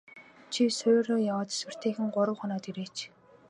Чи суурь руу яваад тэсвэртэйхэн гурав хоноод ирээч.